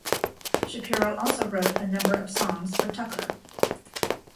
Shapiro also wrote a number of songs for Tucker.